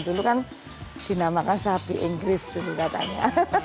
dulu kan dinamakan sapi inggris dulu katanya